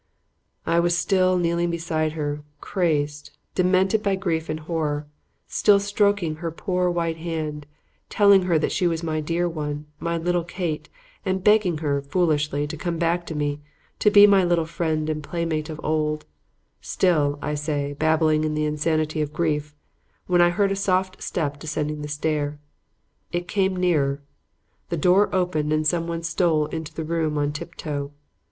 "I was still kneeling beside her, crazed, demented by grief and horror; still stroking her poor white hand, telling her that she was my dear one, my little Kate, and begging her, foolishly, to come back to me, to be my little friend and playmate as of old; still, I say, babbling in the insanity of grief, when I heard a soft step descending the stairs. It came nearer. The door opened and someone stole into the room on tip toe.